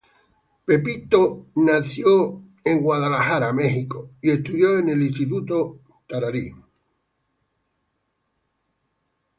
Bill nació en San Diego, California, y estudió en el instituto St.